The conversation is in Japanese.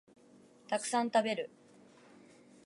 たくさん食べる